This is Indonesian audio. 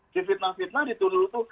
di fitnah fitnah itu dulu itu